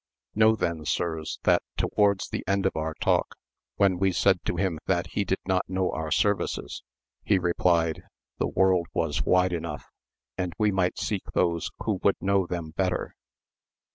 Enow then, sirs, that towards the end of our talk, when we said to him that he did not know our services,^ he replied, the world was wide enough and we might seek those who would know them better.